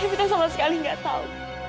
ibi tak salah sekali gak tahu